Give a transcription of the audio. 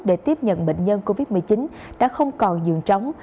để tiếp nhận bệnh nhân covid một mươi chín đã không còn dường chóng